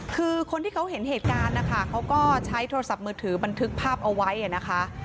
คือคนที่เขาเห็นเหตุการณ์นะคะเขาก็ใช้โทรศัพท์มือถือบันทึกภาพเอาไว้นะคะ